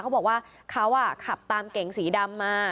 เขาบอกว่าเขาขับตามเก๋งสีดำมา